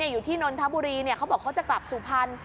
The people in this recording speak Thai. อยู่ที่นนทบุรีเขาบอกเขาจะกลับสู่พันธุ์